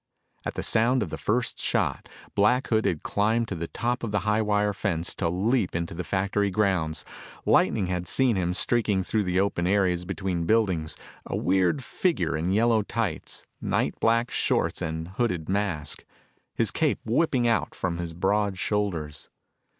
At the sound of the first shot, Black Hood had climbed to the top of the high wire fence to leap into the factory grounds. Lightning had seen him streaking through the open areas between buildings a weird figure in yellow tights, night black shorts and hooded mask, his cape whipping out from his broad shoulders.